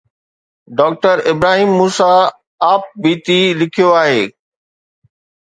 Doctor Ibrahim Musa ”Aap Beti“ لکيو آهي.